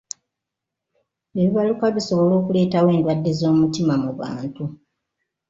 Ebibaluka bisobola okuleetawo endwadde z'omutima mu bantu.